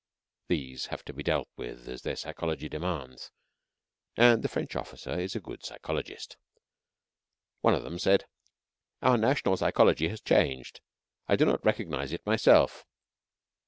These have to be dealt with as their psychology demands, and the French officer is a good psychologist. One of them said: "Our national psychology has changed. I do not recognize it myself."